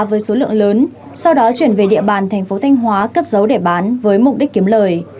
với số lượng lớn sau đó chuyển về địa bàn thành phố thanh hóa cất giấu để bán với mục đích kiếm lời